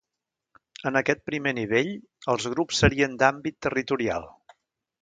En aquest primer nivell, els grups serien d’àmbit territorial.